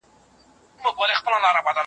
تیاره ورځ په تېرېدو ده.